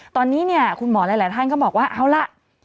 ตอนนี้เนี่ยคุณหมอหลายท่านก็บอกว่าเอาล่ะ